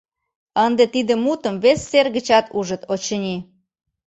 Ынде тиде мутым вес сер гычат ужыт, очыни.